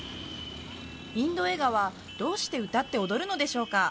インド映画はどうして歌って踊るのでしょうか？